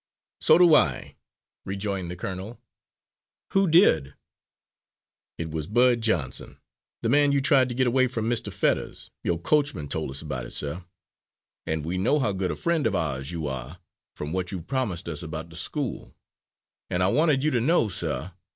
"So do I," rejoined the colonel. "Who did?" "It was Bud Johnson, the man you tried to get away from Mr. Fetters yo'r coachman tol' us about it, sir, an' we know how good a friend of ours you are, from what you've promised us about the school. An' I wanted you to know, sir.